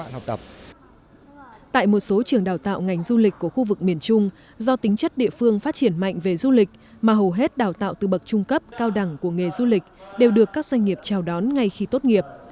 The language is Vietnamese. tại một số trường đào tạo ngành du lịch của khu vực miền trung do tính chất địa phương phát triển mạnh về du lịch mà hầu hết đào tạo từ bậc trung cấp cao đẳng của nghề du lịch đều được các doanh nghiệp chào đón ngay khi tốt nghiệp